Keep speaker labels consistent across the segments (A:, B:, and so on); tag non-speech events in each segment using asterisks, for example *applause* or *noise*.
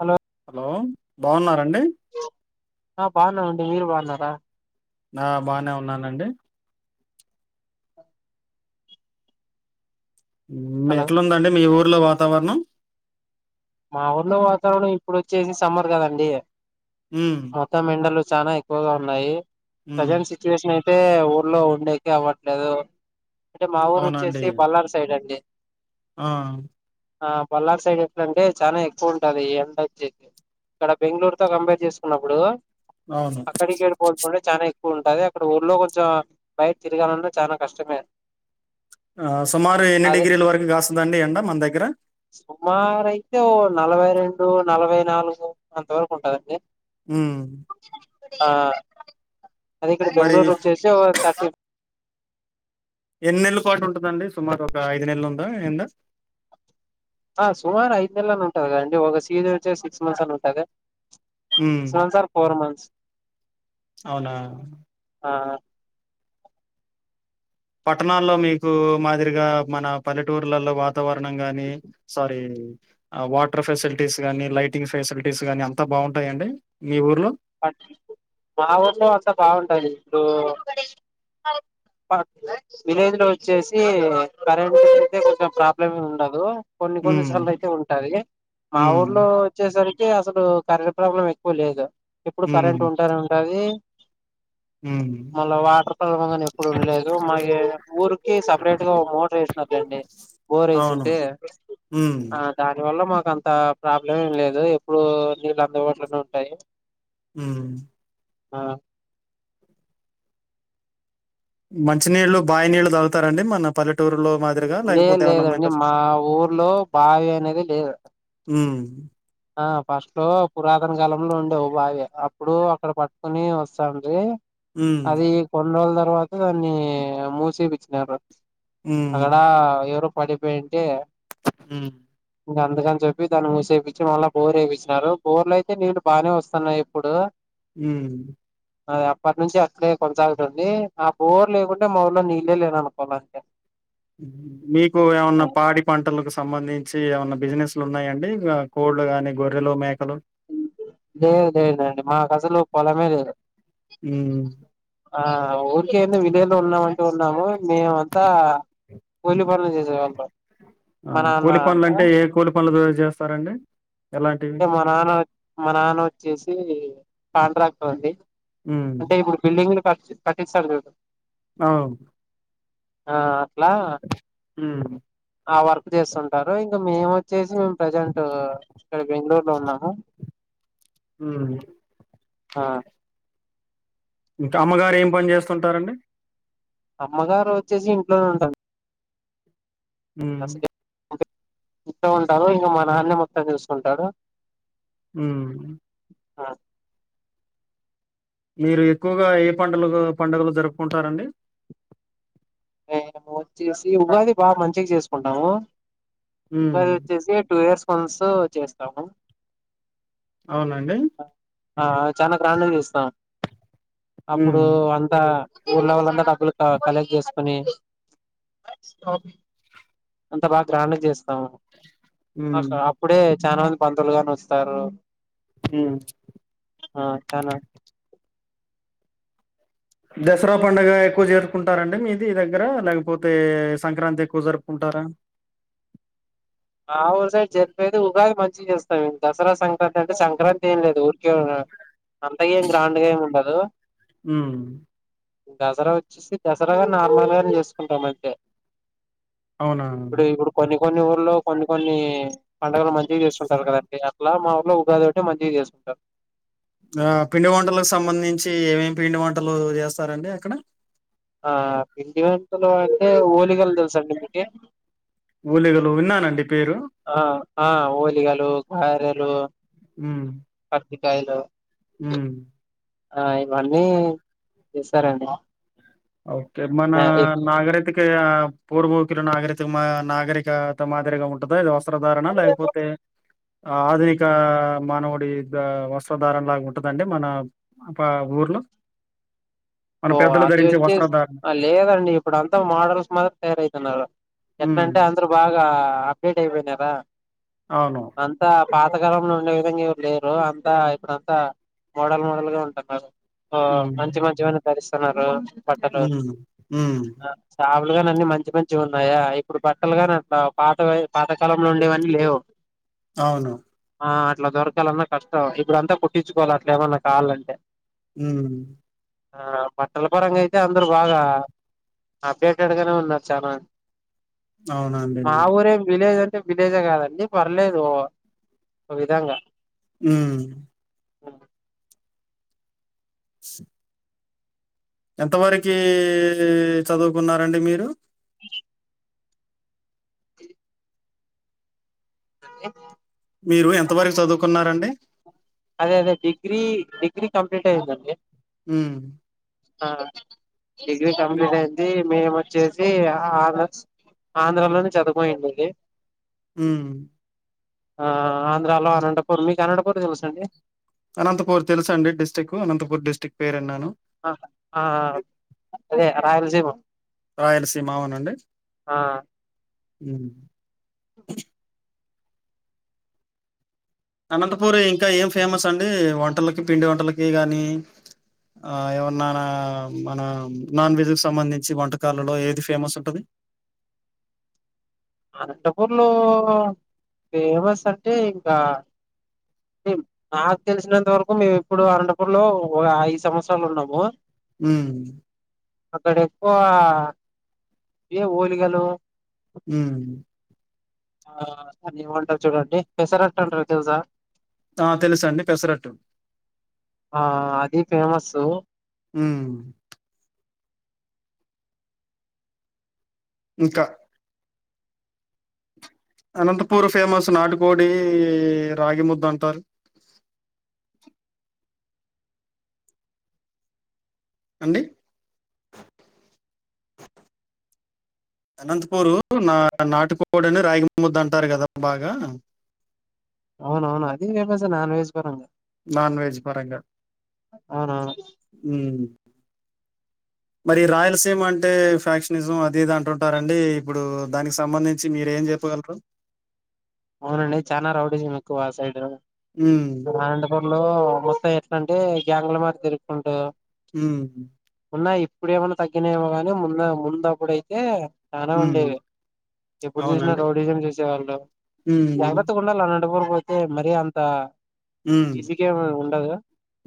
A: Hello
B: hello బాగున్నారండి
A: ఆ బాగున్నామ్ అండి మీరు బాగున్నారా
B: నా బానే ఉన్నానండి హుమ్
A: హలో
B: ఎట్లాందండి మీ ఊర్లో వాతావరణం
A: మా ఊర్లో వాతావరణం ఇప్పుడు వచ్చేసి సమ్మర్ కదండి.
B: ఉమ్
A: మొత్తం ఎండలు సానా ఎక్కువగా ఉన్నాయి.
B: ఉమ్
A: ప్రజెంట్ సిచ్యువేషన్ ఏ టే ఊర్లో ఉండేకి అవ్వట్లేదు అంటే మా ఊరు వచ్చేసి బల్లారు సైడ్ అండి.
B: ఆఆ
A: ఆ బొల్లారు సైడ్ ఎట్ల అంటే చానా ఎక్కువ ఉంటది ఎండొచ్చేకే ఇక్కడ బెంగళూరు తో కంపేర్ జేస్ న్నప్పుడు
B: అవును
A: అక్కడికి ఏడుపొడుచూడే చానై ఉంటది. అక్కడ ఊర్లో కొంచెం బయట తిరగాలన్నా చానా కష్టమే.
B: ఆ సుమారు ఎన్ని
A: అదే
B: డిగ్రీల వరకు గాస్తదండి. ఎండ మన దగ్గర
A: సుమారు అయితే ఓ నలభై రెండు నలభై నాలుగు అంత వరకు ఉంటదండి.
B: ఉహు్
A: ఆ అది ఇక్కడ
B: మరి
A: బెంగళూరు వచ్చేసి ఓ థర్టీ
B: ఎన్ని నెలు ఫాటు ఉంటదండి.. సుమారు ఒక ఐదు నెలు ఉందా ఎండ
A: ఆ సుమార్ ఐదు నెల్ అని ఉంటాద్ గాండి. ఒక సీజ వచ్చేస్ సిక్స్ మంత్స్ అని ఉంటదా.
B: ఉమ్
A: సన్ సార్ ఫోర్ మన్స్.
B: అవునా
A: ఆఆ
B: పట్టణాల్లో మీకు మాదిరిగా మన పల్లెటూర్లలో వాత్ తవరణం గాని స్వారి. ఆ వాటర్ ఫెసిలిటీస్ గానీ, లైటింగ్ ఫెసిలిటీస్ గానీ, అంతా బావుంటాయండి. మీ ఊర్లో
A: పాట్ మా ఊళ్ళో అంత బావుంటది. ఇప్పుడు విలేజ్ లో వచ్చేసి కరెంట్ పోతే కొంచెం ప్రాబ్లమేం ఉండదు. కొన్ని కొన్ని
B: ఉమ్
A: సార్లు అయితే ఉంటాది. మా
B: ఉమ్
A: ఊర్లో వచ్చేసరిక్ కీ అసలు కరెంట్ ప్రాబ్లం ఎక్కువ లేదు. ఎప్పుడు కరెంట్ ఉంటానే ఉంటది.
B: ఉహ్
A: మళ్ళా వాటర్ ప్రాల్నామ్ ఎప్పుడు ఉండలేదు. మాయి ఊరికి సపరేట్ గా ఓ మోటర్ ఏచనర్ లేండి.
B: అవును.
A: బోరేసుంటే
B: హ్మ్.
A: ఆ దాని వల్ల మాక్ గంతా ప్రాబ్లం ఏం లేదు. ఎప్పుడు నీళ్ళు అందుబాటులోనే ఉంటాయి.
B: ఉహ్
A: ఆ
B: మంచినీళ్లు బాయ్ నీళ్ళు దోళ్తారండీ. మన పల్లెటూరులో మద్
A: లేదు లేదండి. మా ఊర్లో బావి అనేదే లేద్.
B: హ్మ్.
A: ఆ ఫస్ట్ లో పురాతన కాలంలో ఉండే ఓ బావి అప్పుడు అక్కడ పట్టుకుని వస్తాండీ.
B: హ్మ్.
A: అది కొన్ రోల్ తర్వాత దాన్ని మూసేపిచ్చినారు. అక్కడ ఎవరో పడిపోయింటే
B: ఉహ్
A: గాందుగన్ జేపి దాని మూసేబి చేవాలా బోర్ ఏపిచ్చినారు. బోర్లైతే నీళ్లు బానే వస్తున్నాయ్ ఇప్పుడు
B: ఏమ్ లే
A: అది అప్పటి నుంచి అట్లే కొనసాగుతుంది. ఆ బోరు లేకుంటే మాఊర్లో నీళ్ళే లేన్ అనుకోవాలంటే.
B: మీకు ఏవన్నా పాడి పంటలకు సంబంధి సి ఏవన్నా బిజినెస్లు ఉన్నాయండి. ఇగా కోళ్లు గానీ, గొర్రెలు మేక్
A: లేద్ లేదండి మాక్ అసలు పొలమే లేదు.
B: హ్మ్.
A: ఆ ఉన్ కేంది. విల్లెలో ఉన్నామంటే ఉన్నాము. మేమంతా కూలి పనులు చేసేవాళ్ళం.
B: ఆ
A: మా నాన్న
B: కూలి పన్లు
A: అంతా
B: అంటే, ఏ కూలి పన్లు రోజ్ జేస్తారండి.
A: తో మా నాన్న ఒత్ మా నాన్న వచ్చేసి కాంట్రాక్టర్ అండి.
B: హ్మ్.
A: అంటే ఇప్పుడు బిల్డింగ్లు పట్ పట్టిస్తాడు జూడు.
B: నవును
A: ఆ అట్లా
B: హ్మ్.
A: ఆ వర్క్ జేస్తుంటారు ఇగ్ ఇంకా మేము వచ్చేసి మేము ప్రసెంట్ ఇక్కడ బెంగళూరు లో ఉన్నాము
B: ఉమ్
A: ఆ
B: ఇంకా అమ్మగారు ఏం పని చేస్తుంటారండి
A: అమ్మగారు వచ్చేసి ఇంట్లోనే ఉండడి
B: హ
A: ఇంట ఉంటారు ఇంకా మా నాన్న మొత్తం చూసుకుంటాడు
B: ఉ
A: ఆ
B: మీరు ఎక్కువగా ఏ పండుగ పండుగలు జరుపుకుంటారండి
A: మము వచ్చేసి ఉగాది బాగా మంచిగా చేసుకుంటాము
B: హ్మ్.
A: అది వచ్చేసి టూ ఇయర్స్ కొన్స్ చేస్తాము
B: అవునండి
A: ఆ చాలా గ్రాండ్ చేస్తాం
B: హ్మ్.
A: అప్పుడు అంతా ఊళలళ్ల డబ్బలు కలెక్ చేస్తారు ని అంత బాగా గహణం చేస్తాము అ
B: హ్మ్.
A: అప్పుడే చాలా మంది పంతువులుగాని వస్తారు
B: హ్మ్.
A: ఆ చనా
B: దసరా పండుగ ఎక్కువ జరుపుకుంటారంండి మీది దగ్గర లేకపోతే సంక్రాంతి ఎక్కువ జరుపుకుంటారు సరే
A: మా ఊరు సైడ్ జరిపోది ఉగాది మంచిగా చేస్తాం దసరా సంక్రాంతి అంటే సంక్రాంతి ఏం లేదు ఊరికే అంతగా ఏం గ్రాండ్గా ఏమి ఉండదు
B: హ్మ్.
A: దసరా వచ్చేసి దసరాగా నార్మల్గా చేసుకుంటాం అంతే
B: అవునా
A: ఇప్పుడు ఇప్పుడు కొన్ని కొన్ని ఊర్లో కొన్ని కొన్ని పండగలు మంచిగా చేస్తుంటారు కదండి అలా మా ఊలో ఉగాది ఒకంటే మంచిగా చేసుకుంటారు
B: ఆ పిండి వంటలకు సంబంధించి ఏమేమి పిండి వంటలు చేస్తారంండి అక్కడ
A: ఆ పిండి వెంటలు అంటే ఊలిగాలు తెలుసుకోండి మీకు
B: ఓలిగలు విన్నానండి పేరు.
A: ఆ ఆ ఒలిగలు కారెలు
B: ఉమ్
A: శకాయలు
B: ఉమ్
A: ఆ ఇవన్నీ చేస్తారండి
B: ఓకే మన
A: ఆ, ఎక్కు-
B: నాగరతే పూర్వకుల నాగరిక నాగరికత మాదిరిగా ఉంటుందో అది వస్త్రధారణ లే అయిపోతే ఆధునిక మానవుడి వస్త్రధారలాగా ఉంటుదండి మన ఊరు మన
A: ఓ
B: పెద్దలు
A: అది
B: ధరించే వస్తు
A: వచ్చేసి లేదండి ఇప్పుడు అంత మోడల్స్ మాత్ర తయారవుతున్నారు
B: హ్మ్.
A: ఎట్లాంటే అందరు బాగా అప్డేట్ అయిపోయినారా
B: అవును.
A: అంత పాతకాలంలో ఉండే విధంగా ఎవరు లేరు అంతా ఇప్పుడంతా మోడల్ మోడల్ గా ఉంటున్నారు
B: హ్మ్.
A: మంచి మంచివని ధరిస్తున్నారు బట్టలు
B: హ్మ్. హ్మ్.
A: చ పలు కాని అన్ని మంచి మంచి ఉన్నాయా ఇప్పుడు బట్టలు కాని అట్లా పాత పాతకాలంలో ఉండేవన్నీ లేవు
B: అవును
A: ఆ అట్లా దొరకాలన్నా కష్టం ఇప్పుడు అంతా కుట్టించుకోవాలి అట్ల ఏమన్నా కావాలంటే
B: హ
A: ఆ బట్టల పరంగా అయితే అందరు బాగా అప్డేటెడ్గానే ఉన్నారు చాలాంది
B: అవునండి.
A: మాఊర విలేజ్ విలేజ్ కాదండి పర్లేదు ఒక విధంగా
B: హమ్
A: ఆ *inaudible*
B: *inaudible* ఎంత వరకీ చదువుకున్నారండి మీరు
A: *inaudible* *inaudible*
B: మీరు ఎంతవరకు చదువుకున్నారండి?
A: అదే అదే డిగ్రీ డిగ్రీ కంప్లీట్ అయిందండి
B: ఉమ్
A: ఆ డిగ్రీ కంప్లీట్ అయిద్ది మేమొచ్చేసి ఆ అ ఆనట్స్ ఆంధ్రాలోనే చదువుకోయుండేది
B: ఉమ్మ్
A: ఆ ఆంధ్రాలో అనంటపూర్ మీకనంటపూర్ తెలుసండి
B: అనంతపూర్ తెలుసండి డిస్టిక్కు అనంతపూర్ డిస్టిక్ పేరిన్నాను
A: అ ఆ ఆ అదే ఆ రాయలసీమ
B: రాయలసీమ అవునండి
A: ఆ
B: ఉమ్ అనంతపూర్ ఇంకా ఏం ఫేమస్ అండీ వంటలకి పిండి వంటలకీ గానీ ఆ ఏమన్నా మన నాన్ వెజ్క్ సంబంధించి వంటకాలలో ఏది ఫేమస్ ఉంటది *inaudible*
A: అనంతపూర్లో ఫేమస్ అంటే ఇంకా ఎం నాక్ తెలిసినంత వరకు మేమెప్పుడు అనంటపూర్ లో ఒగ ఐదు సంవత్సరాలున్నామూ
B: హ్మ్
A: అక్కడెక్కువా ఇయే ఓలిగలూ
B: హ్మ్
A: ఆ అదేమంటరు చూడండి పెసరట్టంటరు తెలుసా
B: ఆ తెలుసండి పెసరట్టు
A: ఫేమస్సూ
B: ఉమ్మ్మ్ ఇంక అనంతపూర్ ఫేమస్ నాటికోడీ రాగి ముద్దంటారు *inaudible* అండి అనంతపూరూ నా నాటుకోడని రాగి ముద్దంటారు గదా బాగా
A: అవునవును అది *unintelligible* నాన్వేజ్ పరంగ
B: నాన్వేజ్ పరంగ
A: అవునవును
B: ఊమ్ మరీ రాయలసీమంటే ఫ్యాక్షనిజం అది ఇది అంటుంటారండీ ఇప్పుడూ దానికి సంబంధించి మి మీరేం జెప్పగల్రు
A: అవునండి చానా రౌడీజం ఎక్కువాసైడ్
B: హ్మ్
A: అనంతపూర్ లో మొత్త ఎట్లంటే గ్యాంగుల మాది తిరుకుంట
B: హ్మ్మ్
A: ఉన్నాయి ఇప్పుడేమన్న తగ్గినయేమో గాని మున్న ముందప్పుడైతే చనా
B: హ్మ్
A: ఉండేవే ఎప్పుడు జూసినా రౌడీజం చూసేవాళ్ళం
B: ఊమ్మ్
A: అనంటపూర్ బోతే మరీ అంత
B: హ్మ్
A: ఈజీగేం ఉండదు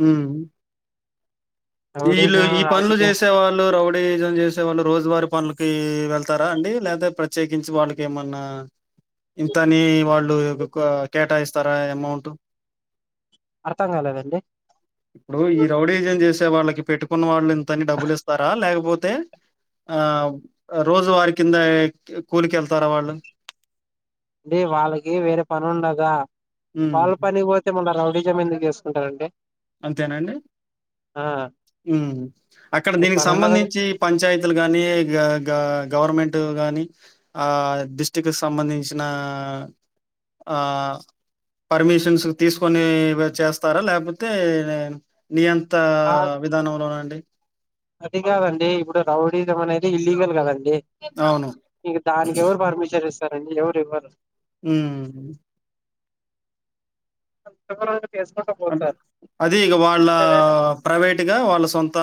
B: హ్మ్. ఈళ్ళు
A: రౌడీజం
B: ఈ పనులు
A: రాజకీయం
B: జేసేవాళ్ళు రౌడీజం జేసేవాళ్ళు రోజువారి పన్లు కీ వెళ్తారా అండి లేతే ప్రత్యేకించి వాటికేమన్నా ఇంతనీ వాళ్ళు ఒక కేటాయిస్తారా ఎమౌంట్
A: అర్థంగాలేదండి
B: ఇప్పుడూ ఈ రౌడీజం జేసేవాళ్ళకి పెట్టుకున్న వాళ్ళు ఇంతని డబ్బులిస్తారా లేకబొ తే ఆ అ రోజూవారి కింద కూలికెళ్తారా వాళ్ళు *inaudible*
A: డి వాళ్ళకీ వేరే పనుండగా
B: హ్మ్.
A: వాళ్లు పనికి బోతెముందాడ రౌ డీజం ఎందుకు జేసుకుంటారండి
B: అంతేనాండి అక్కడ దీనికి
A: పని ఉండదు
B: సంబంధించి పంచాయతీలు గానీ గా గా గవర్నమెంట్ గాని ఆ డిస్టి్రిక్ట్ సంబంధించిన ఆ పర్మిషన్స్ తీసుకొని చేస్తారా లేకపోతే అయితే నియంత
A: ఆ
B: విధానంలోనండి
A: అది కాదండి ఇప్పుడు రౌడిజం అనేది ఇల్లీగల్ కదండి
B: అవును.
A: ఇక దానికి ఎవరు పర్మిషన్ ఇస్తారండి ఎవరు ఇవ్వరు
B: హమ్మ్
A: ఎక్కడ
B: అంటే అది ఇగా వాళ్ళ
A: అంతేగాని
B: ప్రైవేట్గా వాళ్ళ సొంత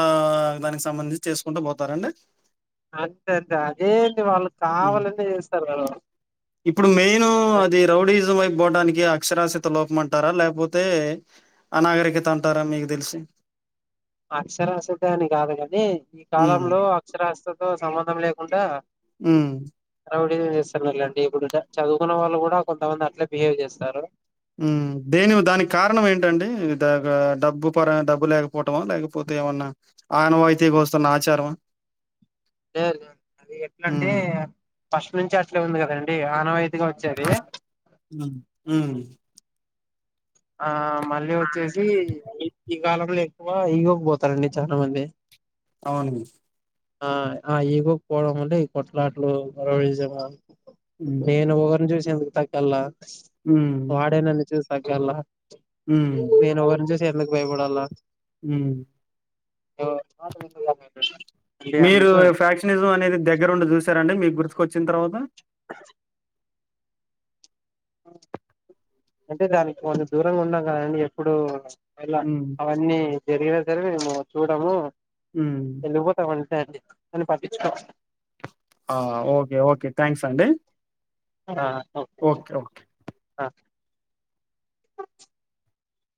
B: దానికి సంబంధించి చేసుకుంటూ పోతారండి
A: అంతే దాని వాళ్లు
B: ఇప్పుడు మెయిన్ అది రౌడిజం అయిపోవటానికి అక్షరాశత లోపం అంటారా లేకపోతే అనాగరికత అంటారా మీకు తెలిసి
A: అక్షరాస్త అని కాదు కాని ఈ
B: హ్మ్.
A: కాలంలో అక్షరాస్తో సంబంధం లేకుండా
B: మ్మ్
A: రౌడిజం చేస్తన్నారుండి ఇప్పుడు చదువుకున్న వాళ్ళు కూడా కొంతమంది అట్లే బిహేవ్ చేస్తారు
B: మ్మ్ దేని దానికి కారణం ఏంటండి ఇ డబ్బు పర డబ్బు లేకపోవటమో లేకపోతే ఏమన్నా ఆనవాయితికి వస్తున్న ఆచారం అహ
A: లేదు లేదు అది ఎట్లాంటే ఫస్ట్ నుంచి అట్లే ఉంది కదండి ఆనవాై
B: ఉ ఉమ్మ్
A: ఆ మళ్ళీ వచ్చేసి ఈ కాలంలో ఎక్కువ ఇగోకిపోతారండి చాలా మంది
B: అవునుఅండి
A: ఆ ఆ ఈగోకి పోవడం వల్లే ఈ కొట్లాటలు ఆవేశంగా
B: హ్మ్.
A: నేను ఒకరిని చూసి ఎందుకు తగ్గలా
B: హ్మ్.
A: వాడే నను చూసి తగ్గాలా
B: హ్మ్.
A: నేను ఎవరిని చూసి ఎందుకు భయపడాలా
B: మ్మ్
A: పాత *unintelligible*
B: మీరు ఫ్యాక్షనిజం అనేది దగ్గరండి చూసారంటే మీకు గుర్తుకు వచ్చిన తర్వాత
A: అంటే దానికి కొంతం దూరంగా ఉన్నాం కదండి ఎప్పుడు అలా
B: హ్మ్.
A: అవన్నీ జరిగినా సరే మేము చూడము
B: హ్మ్.
A: వెళిపోతామంట అండి అన్ని పట్టించుకోము
B: ఓకే ఓకే థ్యాంక్స్ అండి
A: అహ ఓకే ఆ